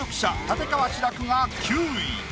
立川志らくが９位。